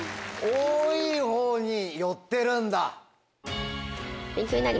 多いほうに寄ってるんだ。